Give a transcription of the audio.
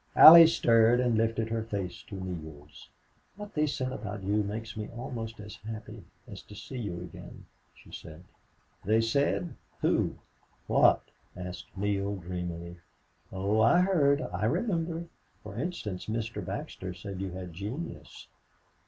Allie stirred and lifted her face to Neale's. "What they said about you makes me almost as happy as to see you again," she said. "They said! Who? What?" asked Neale, dreamily. "Oh, I heard, I remember!... For instance, Mr. Baxter said you had genius."